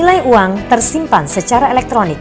nilai uang tersimpan secara elektronik